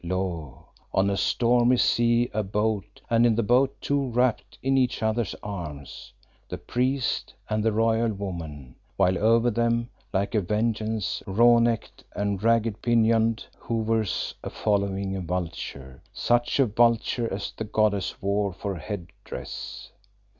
Lo! on a stormy sea a boat, and in the boat two wrapped in each other's arms, the priest and the royal woman, while over them like a Vengeance, raw necked and ragged pinioned, hovers a following vulture, such a vulture as the goddess wore for headdress.